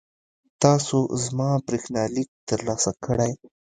تاسو زما برېښنالیک ترلاسه کړی؟